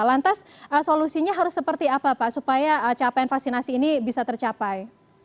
lantas solusinya harus seperti apa pak supaya capaian vaksinasi ini bisa tercapai